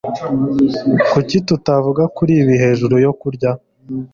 Kuki tutavuga kuri ibi hejuru yo kurya?